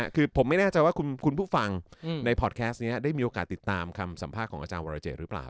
คือผมไม่แน่ใจว่าคุณผู้ฟังในพอร์ตแคสต์นี้ได้มีโอกาสติดตามคำสัมภาษณ์ของอาจารย์วรเจหรือเปล่า